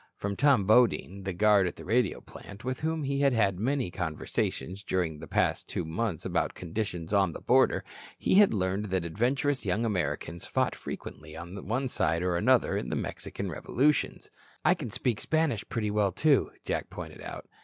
From Tom Bodine, the guard at the radio plant, with whom he had had many conversations during the past two months about conditions on the border, he had learned that adventurous young Americans fought frequently on one side or another in the Mexican revolutions. "I can speak Spanish pretty well, too," Jack pointed out.